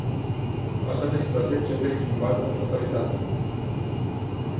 Această situație trebuie schimbată în totalitate.